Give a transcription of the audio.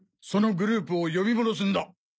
そのグループを呼び戻すんだ！